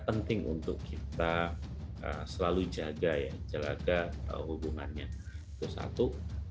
penting untuk kita selalu jaga hubungannya itu satu